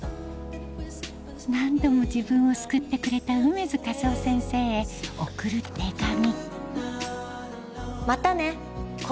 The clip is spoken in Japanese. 何度も自分を救ってくれた楳図かずお先生へおくる手紙